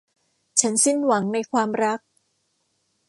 ฉันสิ้นหวังในความรัก